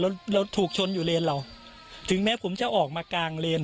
เราเราถูกชนอยู่เลนเราถึงแม้ผมจะออกมากลางเลน